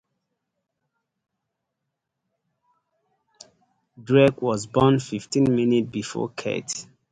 Derek was born fifteen minutes before Keith.